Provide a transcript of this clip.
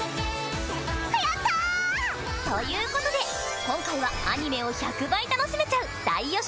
やったぁ！ということで今回はアニメを１００倍楽しめちゃう大予習